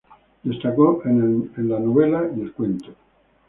Destacó en la novela y el cuento.